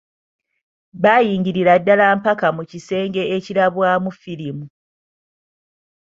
Baayingirira ddala mpaka mu kisenge ekirabwamu firimu..